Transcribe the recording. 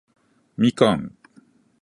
みかん